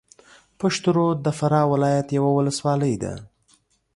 پشترود د فراه ولایت یوه ولسوالۍ ده